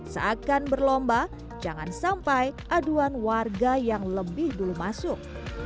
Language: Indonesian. seakan berlomba jangan sampai aduan warga yang lebih dulu masuk